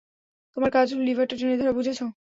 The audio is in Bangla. তোমার কাজ হলো লিভারটা টেনে ধরা, বুঝেছ?